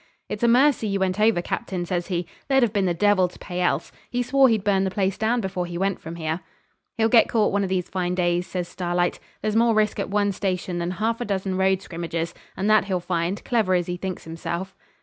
'It's a mercy you went over, Captain,' says he; 'there'd have been the devil to pay else. He swore he'd burn the place down before he went from here.' 'He'll get caught one of these fine days,' says Starlight. 'There's more risk at one station than half a dozen road scrimmages, and that he'll find, clever as he thinks himself.'